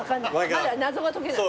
まだ謎は解けない。